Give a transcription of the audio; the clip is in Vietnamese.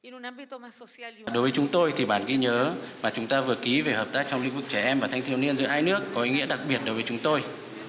đối với chúng tôi thì bản ghi nhớ và chúng ta vừa ký về hợp tác trong lĩnh vực trẻ em và thanh thiếu niên giữa hai nước có ý nghĩa đặc biệt đối với chúng tôi